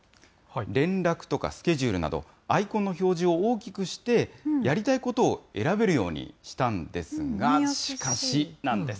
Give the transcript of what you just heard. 連絡とかスケジュールなど、アイコンの表示を大きくして、やりたいことを選べるようにしたんですが、しかしなんです。